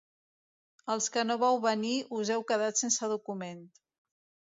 Els que no vau venir us heu quedat sense document.